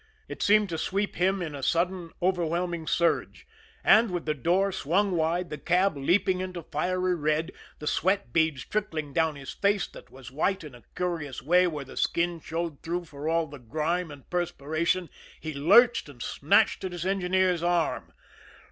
It seemed to sweep him in a sudden, overwhelming surge; and, with the door swung wide, the cab leaping into fiery red, the sweat beads trickling down his face that was white in a curious way where the skin showed through for all the grime and perspiration, he lurched and snatched at his engineer's arm.